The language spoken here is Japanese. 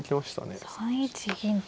３一銀と。